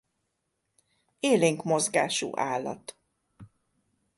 Élénk mozgású állat.